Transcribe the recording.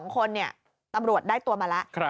๒คนตำรวจได้ตัวมาแล้ว